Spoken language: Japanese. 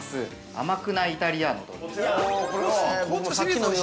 甘くないイタリアーノという。